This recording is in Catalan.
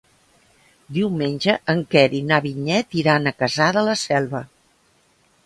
Diumenge en Quer i na Vinyet iran a Cassà de la Selva.